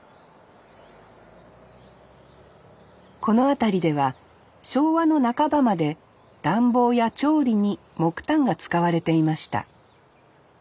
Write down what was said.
この辺りでは昭和の半ばまで暖房や調理に木炭が使われていました